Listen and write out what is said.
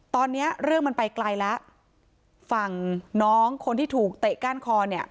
ตอนนี้เรื่องมันไปไกลแล้วฝั่งน้องคนที่ถูกเตะก้านคอเนี่ย